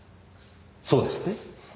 そうですね？